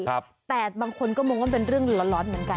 แต่บางคนก็มองว่ามันเป็นเรื่องร้อนเหมือนกัน